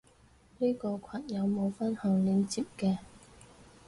呢個羣有冇分享連接嘅？